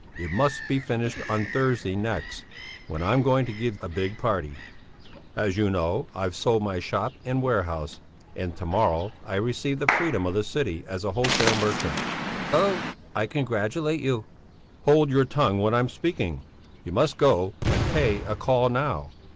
It must be finished on Thursday next, when I'm going to give a big party. As you know, I've sold my shop and warehouse, and to morrow I shall receive the freedom of the city as a wholesale merchant." "Oh! I congratulate you!" "Hold your tongue when I'm speaking! You must go and pay a call now.